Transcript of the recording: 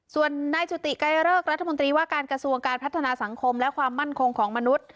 ส่วนนายจุติไกรเลิกรัฐมนตรีว่าการกระทรวงการพัฒนาสังคมและความมั่นคงของมนุษย์